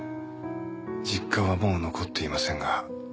実家はもう残っていませんが。